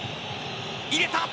入れた。